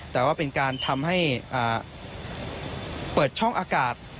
แต่ว่าเป็นการทำให้เปิดช่องอากาศ